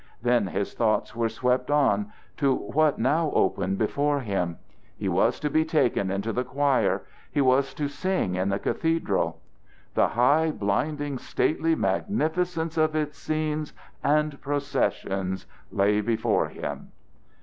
Then his thoughts were swept on to what now opened before him: he was to be taken into the choir, he was to sing in the cathedral. The high, blinding, stately magnificence of its scenes and processions lay before him.